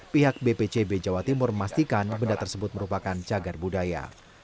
pihak bpcb jawa timur memastikan benda tersebut merupakan cagar budaya